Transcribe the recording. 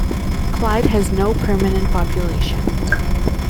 Clyde has no permanent population.